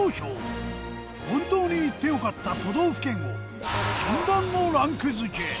本当に行って良かった都道府県を禁断のランク付け。